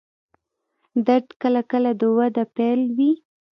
درد کله کله د وده پیل وي.